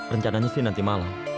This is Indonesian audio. rencananya sih nanti malam